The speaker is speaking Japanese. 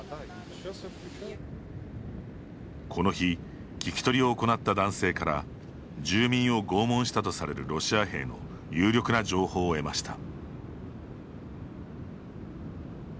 この日聞き取りを行った男性から住民を拷問したとされるロシア兵の有力な情報を得ました。